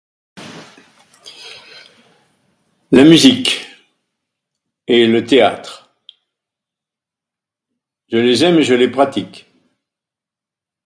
La musique. Et le théâtre. Je les aime, je les pratique.